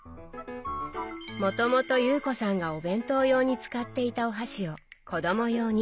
もともと有子さんがお弁当用に使っていたお箸を子ども用に。